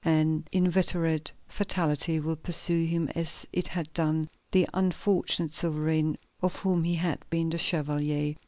An inveterate fatality will pursue him as it had done the unfortunate sovereign of whom he had been the chevalier.